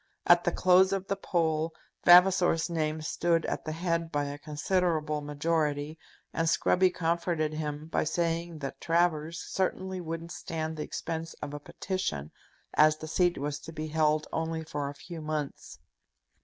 At the close of the poll Vavasor's name stood at the head by a considerable majority, and Scruby comforted him by saying that Travers certainly wouldn't stand the expense of a petition, as the seat was to be held only for a few months.